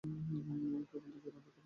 কেবল দুইজনে অন্ধকারের দিকে চাহিয়া রহিলাম।